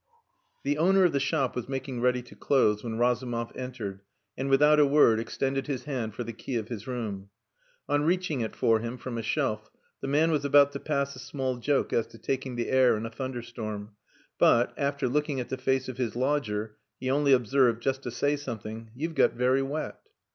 The owner of the shop was making ready to close when Razumov entered and without a word extended his hand for the key of his room. On reaching it for him, from a shelf, the man was about to pass a small joke as to taking the air in a thunderstorm, but, after looking at the face of his lodger, he only observed, just to say something "You've got very wet."